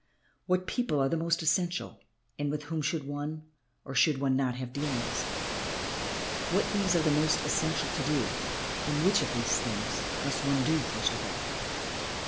What people are the most essential and with whom should one or should one not have dealings? What things are the most essential to do and which of those things must one do first of all?"